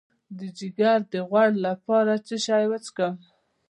د ځیګر د غوړ لپاره باید څه شی وڅښم؟